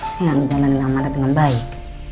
saya ga menjalani amat dengan baik